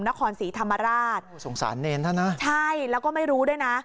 นครศรีธรรมราชโอ้โหสงสารเนรท่านนะใช่แล้วก็ไม่รู้ด้วยนะ